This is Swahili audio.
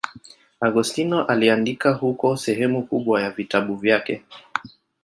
Agostino aliandika huko sehemu kubwa ya vitabu vyake.